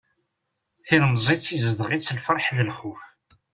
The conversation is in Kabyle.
Tilemẓit izdeɣ-itt lferḥ d lxuf.